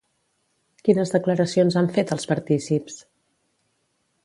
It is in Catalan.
Quines declaracions han fet els partícips?